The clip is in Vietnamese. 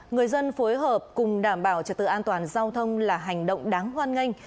người dân phối hợp cùng đảm bảo trật tự an toàn giao thông là hành động đáng hoan nghênh